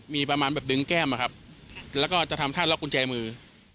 มีประมาณแบบดึงแก้มอะครับแล้วก็จะทำท่าล็อกกุญแจมือ